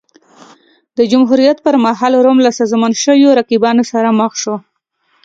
د جمهوریت پرمهال روم له سازمان شویو رقیبانو سره مخ شو